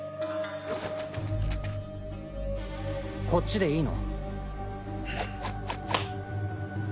こっちでいいの？